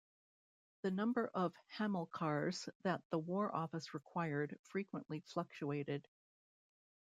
The number of Hamilcars that the War Office required frequently fluctuated.